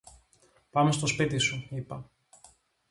Πάμε στο σπίτι σου, είπα